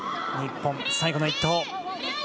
日本医、最後のＩ投